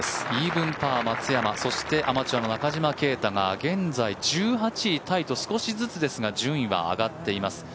イーブンパー、松山、そしてアマチュアの中島啓太が現在１８位タイと少しずつですが順位は上がっています。